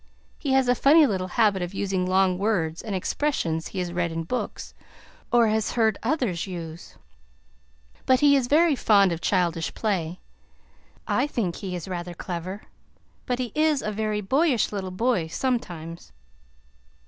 He has a funny little habit of using long words and expressions he has read in books, or has heard others use, but he is very fond of childish play. I think he is rather clever, but he is a very boyish little boy, sometimes."